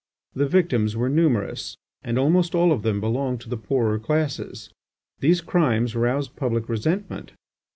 The victims were numerous, and almost all of them belonged to the poorer classes. These crimes roused public resentment.